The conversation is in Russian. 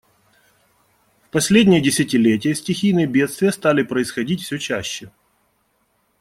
В последнее десятилетие стихийные бедствия стали происходить все чаще.